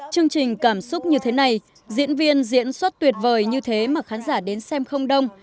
chương trình cảm xúc như thế này diễn viên diễn xuất tuyệt vời như thế mà khán giả đến xem không đông